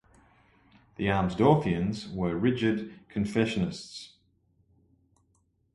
The Amsdorfians were rigid confessionists.